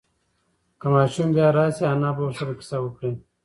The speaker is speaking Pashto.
که ماشوم بیا راشي، انا به ورسره قصه وکړي.